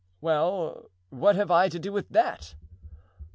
"Well, what have I to do with that?"